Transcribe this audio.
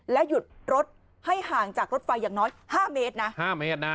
และหยุดรถให้ห่างจากรถไฟอย่างน้อย๕เมตรนะ๕เมตรนะ